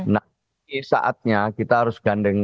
nah ini saatnya kita harus gandeng